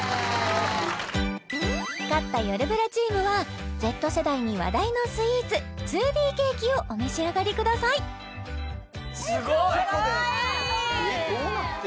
勝ったよるブラチームはＺ世代に話題のスイーツ２Ｄケーキをお召し上がりくださいすごい！・かわいい・えっどうなってんの？